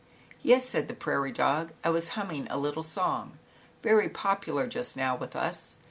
"Yes," said the prairie dog, "I was humming a little song, very popular just now with us.